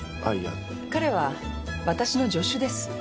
彼はわたしの助手です。